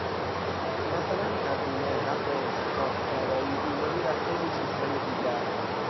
مثلا هزینه، حق انتخاب، کارایی، ایمنی و خیلی چیزهای دیگر.